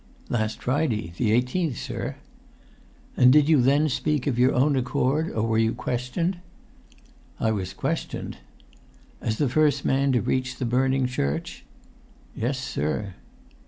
"Last Friday—the eighteenth, sir." "And did you then speak of your own accord, or were you questioned?" "I was questioned." "As the first man to reach the burning church?" "Yes, sir."